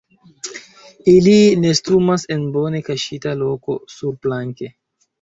Ili nestumas en bone kaŝita loko surplanke.